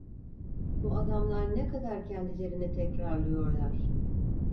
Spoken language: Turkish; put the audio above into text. Bu adamlar ne kadar kendilerini tekrarlıyorlar...